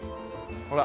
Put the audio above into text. ほら。